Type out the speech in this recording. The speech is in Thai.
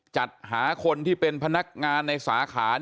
จัดหาคนที่เป็นพนักงานในสาขา